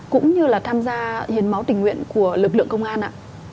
cũng như là tham gia hiến máu tình nguyện của lực lượng công an ạ